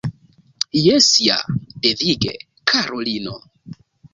Jes ja, devige, karulino.